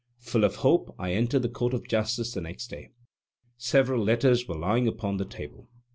Full of hope, I entered the Court of Justice the next day. Several letters were lying upon the table.